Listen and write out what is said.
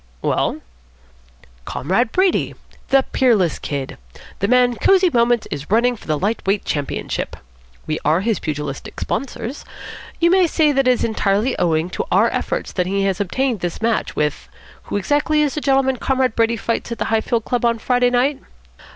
"Well?" "Comrade Brady. The Peerless Kid. The man Cosy Moments is running for the light weight championship. We are his pugilistic sponsors. You may say that it is entirely owing to our efforts that he has obtained this match with who exactly is the gentleman Comrade Brady fights at the Highfield Club on Friday night?"